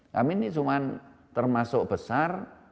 kami ini cuma termasuk besar